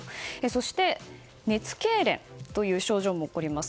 そして、熱けいれんという症状も起こります。